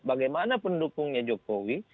bagaimana pendukungnya jokowi